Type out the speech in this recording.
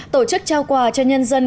tổ chức trao quà cho nhân dân